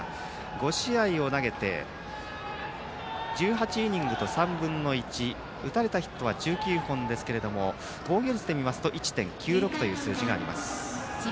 ５試合を投げて１８イニングと３分の１打たれたヒットは１９本ですが防御率で見ますと１．９６という数字です。